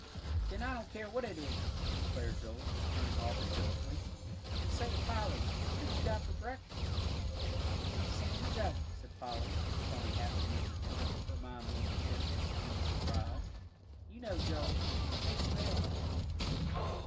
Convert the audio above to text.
"Then I don't care what it is," declared Joel, turning off indifferently; "and say, Polly, what have you got for breakfast?" "The same as ever," said Polly, with only half an ear for him, her mind being intent on the splendid surprise; "you know, Joel; what makes you ask?"